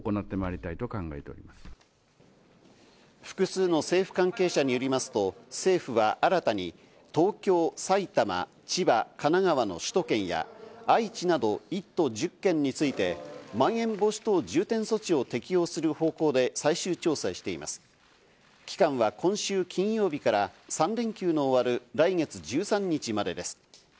複数の政府関係者によりますと、政府は新たに東京、埼玉、千葉、神奈川の首都圏や愛知など１都１０県について、まん延防止等重点措置を適用する方向で最終調整しています。期間は今週金曜日から３連休の終わる来月１３日までです。